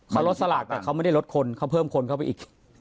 เขาลดสลากแต่เขาไม่ได้ลดคนเขาเพิ่มคนเข้าไปอีก